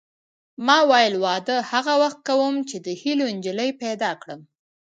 ما ویل واده هغه وخت کوم چې د هیلو نجلۍ پیدا کړم